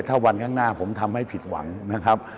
ถ้าวันข้างหน้าผมทำให้ผิดหวังนะครับ